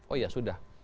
oh ya sudah